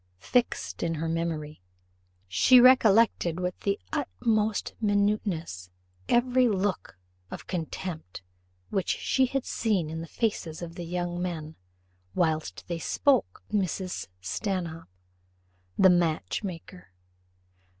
fixed in her memory. She recollected with the utmost minuteness every look of contempt which she had seen in the faces of the young men whilst they spoke of Mrs. Stanhope, the match maker.